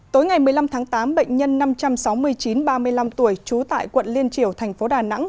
tối ngày một mươi năm tháng tám bệnh nhân năm trăm sáu mươi chín ba mươi năm tuổi trú tại quận liên triều thành phố đà nẵng